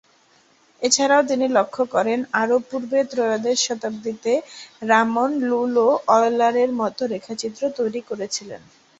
এছাড়াও তিনি লক্ষ্য করেন, আরও পূর্বে-ত্রয়োদশ শতাব্দিতে রামন লুল-ও অয়লারের মত রেখাচিত্র তৈরি করেছিলেন।